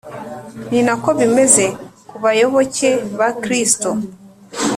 Ni nako bimeze ku bayoboke ba Kristo